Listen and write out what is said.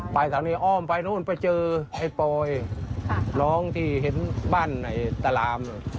แถวนี้อ้อมไปนู่นไปเจอไอ้ปอยน้องที่เห็นบ้านในตาราม